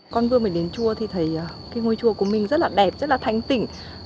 con vừa mới đến chùa thì thấy ngôi chùa của mình rất đẹp rất thanh tĩnh